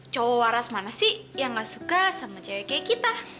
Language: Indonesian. cowok waras mana sih yang gak suka sama cewek kayak kita